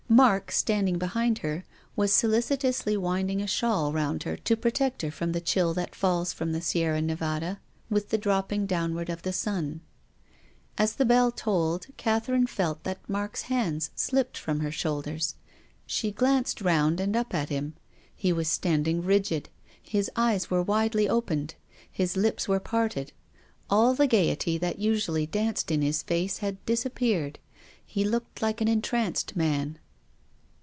Mark, standing behind her, was solicitously winding a shawl round her to protect her from the chill that falls from the Sierra Ne vada with the dropping downward of the sun. As the bell tolled, Catherine felt that Mark's hands slipped from her shoulders. She glanced roundand upat him. He was standing rigid. His eyes were widely opened. His lips were parted. All the gaiety that usually danced in his face had disappeared. He looked like an entranced man.